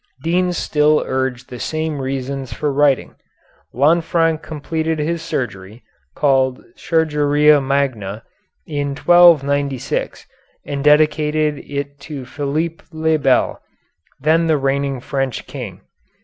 Deans still urge the same reasons for writing. Lanfranc completed his surgery, called "Chirurgia Magna," in 1296, and dedicated it to Philippe le Bel, the then reigning French King.